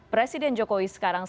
presiden jokowi sekarang